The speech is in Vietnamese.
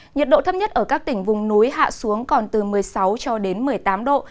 nhiệt độ thấp nhất ở các tỉnh vùng núi hạ xuống còn từ một mươi sáu cho đến một mươi tám độ